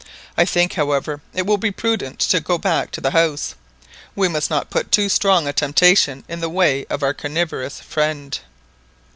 I think, however, it will be as prudent to go back to the House. We must not put too strong a temptation in the way of our carnivorous friend!"